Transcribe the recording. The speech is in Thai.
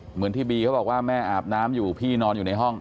เหมือนที่บีเขาบอกว่าแม่อาบน้ำอยู่พี่นอนอยู่ในห้อง